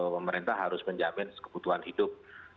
pemerintah harus menjamin kebutuhan hidup